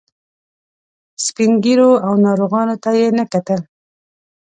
سپین ږیرو او ناروغانو ته یې نه کتل.